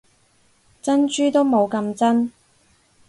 珍珠都冇咁真